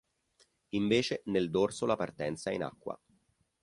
Invece, nel dorso la partenza è in acqua.